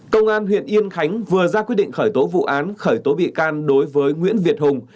công an huyện yên khánh vừa ra quyết định khởi tố vụ án khởi tố bị can đối với nguyễn việt hùng